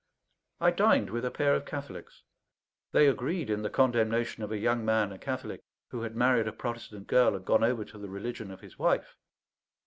I dined with a pair of Catholics. They agreed in the condemnation of a young man, a Catholic, who had married a Protestant girl and gone over to the religion of his wife.